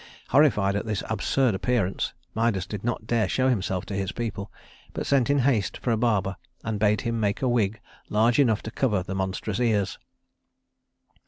Horrified at his absurd appearance, Midas did not dare show himself to his people; but sent in haste for a barber, and bade him make a wig large enough to cover the monstrous ears.